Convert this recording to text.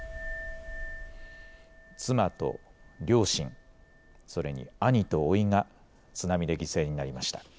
妻と両親、それに兄とおいが津波で犠牲になりました。